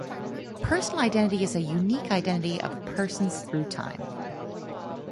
Personal identity is the unique identity of persons through time.